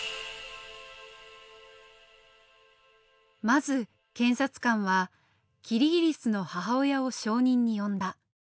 まず検察官はキリギリスの母親を証人に呼んだ。